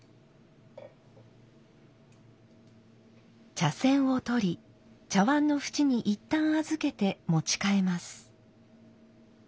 茶筅を取り茶碗の縁にいったん預けて持ち替えます。